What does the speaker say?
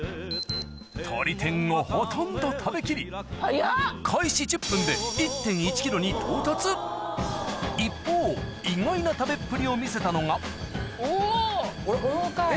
とり天をほとんど食べ切り早っ！に到達一方意外な食べっぷりを見せたのがおぉ！